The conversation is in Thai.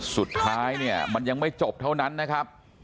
สุดท้ายเนี่ยมันยังไม่จบเท่านั้นนะครับ